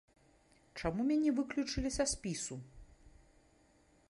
Чаму мяне выключылі са спісу?